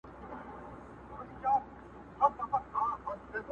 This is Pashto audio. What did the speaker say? که همت وکړی نو ستاسي منت بار یو،